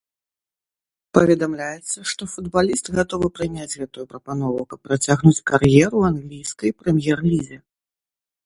Паведамляецца, што футбаліст гатовы прыняць гэтую прапанову, каб працягнуць кар'еру ў англійскай прэм'ер-лізе.